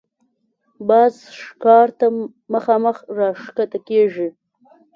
باز ښکار ته مخامخ راښکته کېږي